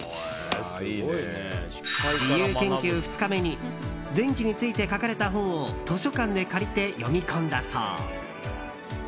自由研究２日目に電気について書かれた本を図書館で借りて読み込んだそう。